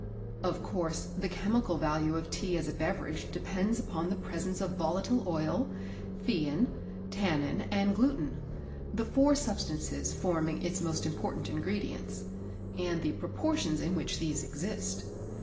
Of course the chemical value of Tea as a beverage depends upon the presence of volatile oil, theine, tannin, and gluten the four substances forming its most important ingredients and the proportions in which these exist.